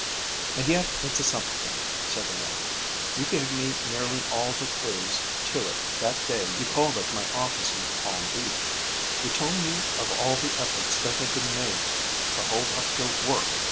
"And yet it's a simple thing," said the lawyer. "You gave me nearly all the clews to it that day you called at my office in Palm Beach. You told me of all the efforts that had been made to hold up your work.